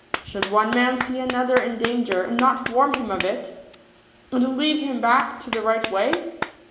Should one man see another in danger, and not warn him of it, and lead him back to the right way